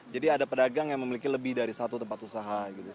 jadi ada pedagang yang memiliki lebih dari satu tempat usaha gitu